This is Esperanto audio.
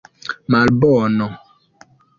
malbono